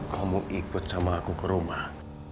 kamu ikut sama aku ke rumah